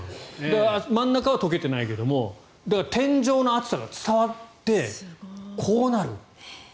真ん中は溶けてないけど天井の熱さが伝わってこうなる。